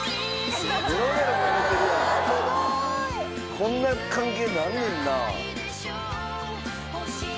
こんな関係になんねんな。